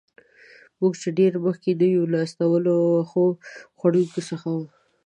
موږ چې ډېر مخکې نه یو، له استوایي وښو خوړونکو څخه وو.